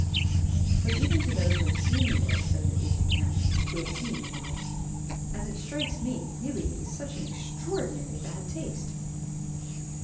"But even to those who have seen the world," said the aide de camp, who had seen the world, "as it strikes me, really it is such extraordinary bad taste!"